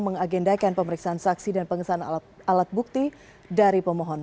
mengagendakan pemeriksaan saksi dan pengesahan alat bukti dari pemohon